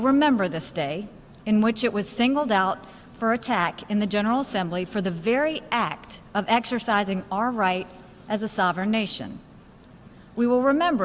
bahwa amerika serikat telah dianggap sebagai negara yang terburu buru dalam pertempuran di jenderal assemble untuk melakukan hak hak yang berat untuk memperkuat hak kita sebagai negara yang terburu buru